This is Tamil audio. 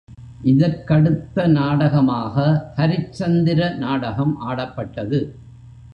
இதற்கடுத்த நாடகமாக ஹரிச்சந்திர நாடகம் ஆடப்பட்டது.